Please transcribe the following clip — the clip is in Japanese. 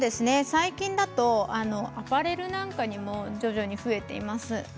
最近だとアパレルにも徐々に増えています。